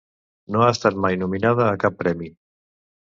No ha estat mai nominada a cap premi.